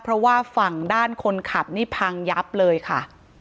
เพราะว่าฝั่งด้านคนขับนี่พังยับเลยค่ะ